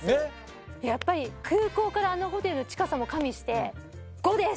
やっぱり空港からあのホテルの近さも加味して５です！